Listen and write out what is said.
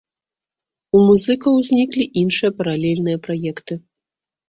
У музыкаў узніклі іншыя паралельныя праекты.